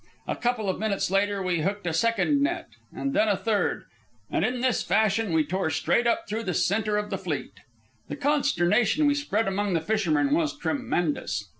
A couple of minutes later we hooked a second net, and then a third, and in this fashion we tore straight up through the centre of the fleet. The consternation we spread among the fishermen was tremendous.